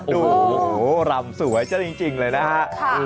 โหหลอมสวยจริงเลยนะฮะ